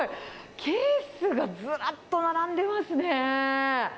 ケースがずらっと並んでますね。